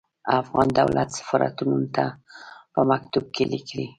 افغان دولت سفارتونو ته په مکتوب کې ليکلي.